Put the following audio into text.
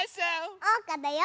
おうかだよ。